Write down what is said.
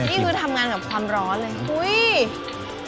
นี่คือทำงานกับความร้อนเลย